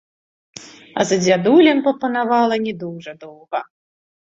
А за дзядулем папанавала не дужа доўга.